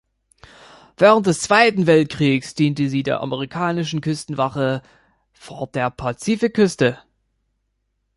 Während des Zweiten Weltkriegs diente sie der amerikanischen Küstenwache vor der Pazifikküste.